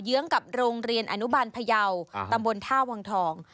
ื้องกับโรงเรียนอนุบาลพยาวตำบลท่าวังทอง